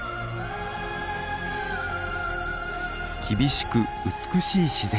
厳しく美しい自然。